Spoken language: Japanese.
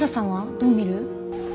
どう見る？